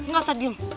nggak usah diam